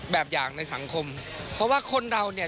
แบบอย่างในสังคมเพราะว่าคนเราเนี่ย